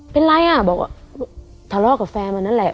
เป็นไรอ่ะบอกว่าทะเลาะกับแฟนมานั่นแหละ